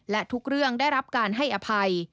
และทุกเรื่องได้รับการให้อภัย